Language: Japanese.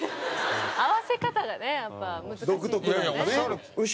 合わせ方がねやっぱ難しい。